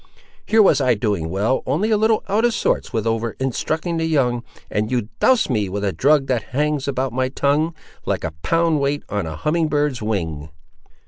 Here was I doing well, only a little out of sorts with over instructing the young, and you dos'd me with a drug that hangs about my tongue, like a pound weight on a humming bird's wing!"